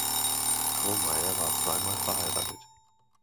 Kromayer war zwei Mal verheiratet.